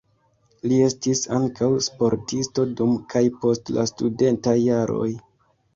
Li estis ankaŭ sportisto dum kaj post la studentaj jaroj.